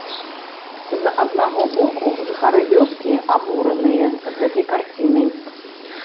З аднаго боку жыхары вёскі абураныя гэтай карцінай.